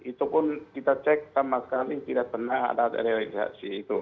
itu pun kita cek sama sekali tidak pernah ada realisasi itu